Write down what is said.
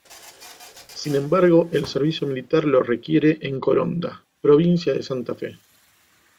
Sin embargo el servicio militar lo requiere en Coronda, provincia de Santa Fe.